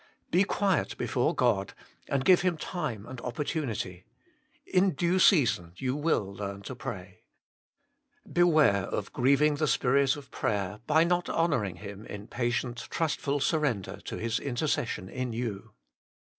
Be quiet before God, and give Him time THE SPIRIT OF SUPPLICATION 121 and opportunity ; in due season you will learn to pray. Beware of grieving the Spirit of prayer, by not honouring Him in patient, trustful surrender to His intercession in you.